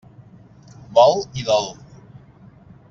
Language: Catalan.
Vol i dol.